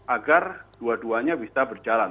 agar dua duanya bisa berjalan